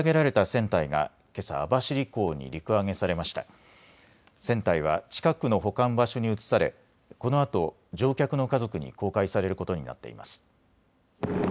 船体は近くの保管場所に移されこのあと乗客の家族に公開されることになっています。